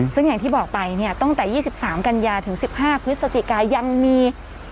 ซึ่งอย่างที่บอกไปเนี่ยตั้งแต่๒๓กันยาถึง๑๕พฤศจิกายังมี